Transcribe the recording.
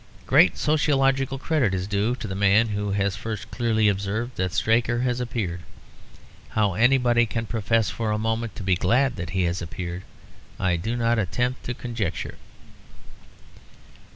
Great sociological credit is due to the man who has first clearly observed that Straker has appeared. How anybody can profess for a moment to be glad that he has appeared, I do not attempt to conjecture.